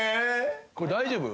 これ大丈夫？